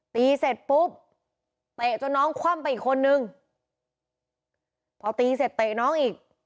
เสร็จปุ๊บเตะจนน้องคว่ำไปอีกคนนึงพอตีเสร็จเตะน้องอีก